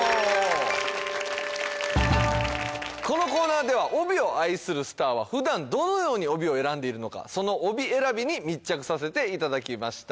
このコーナーでは帯を愛するスターは普段どのように帯を選んでいるのかその帯選びに密着させていただきました